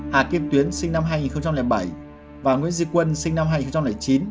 hà kiếp tuyến sinh năm hai nghìn bảy và nguyễn di quân sinh năm hai nghìn chín